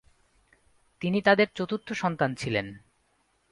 তিনি তাদের চতুর্থ সন্তান ছিলেন।